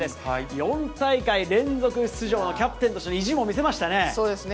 ４大会連続出場のキャプテンとしての意地も見せましたね。